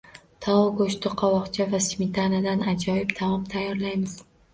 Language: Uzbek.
Tovuq go‘shti, qovoqcha va smetanadan ajoyib taom tayyorlaymiz